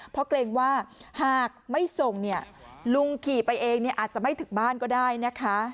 เพราะเกรงว่าหากไม่ส่งเนี่ยลุงขี่ไปเองอาจจะไม่ถึงบ้านก็ได้นะคะ